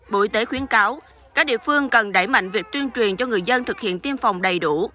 bộ y tế khuyến cáo các địa phương cần đẩy mạnh việc tuyên truyền cho người dân thực hiện tiêm phòng đầy đủ